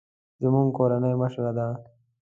زموږ کورنۍ مشره ده